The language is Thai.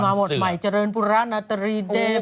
มีมาวัสด์ใหม่เจริญพุระนัตรีเด็บ